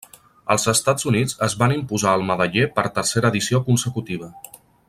Els Estats Units es van imposar al medaller per tercera edició consecutiva.